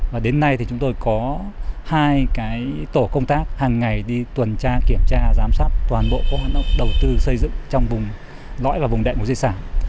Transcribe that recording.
và đến nay thì chúng tôi có hai cái tổ công tác hàng ngày đi tuần tra kiểm tra giám sát toàn bộ các hoạt động đầu tư xây dựng trong vùng lõi và vùng đệ ngũ di sản